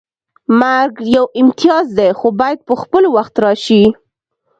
مرګ یو امتیاز دی خو باید په خپل وخت راشي